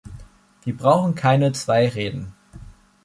Wir brauchen keine zwei Reden.